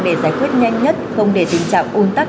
để giải quyết nhanh nhất không để tình trạng ôn tắc